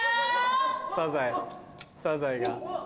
サザエサザエが。